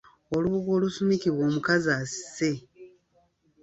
Olubugo olusumikibwa omukazi asise.